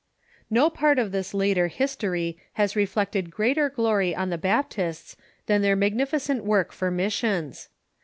No part of this later history has reflected greater glory on the Baptists than their magnificent work for missions.